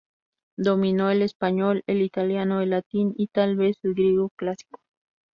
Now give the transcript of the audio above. Dominó el español, el italiano, el latín y tal vez el griego clásico.